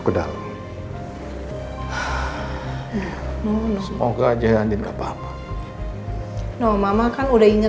kamu maka semuaoor hijau kepuluh ringan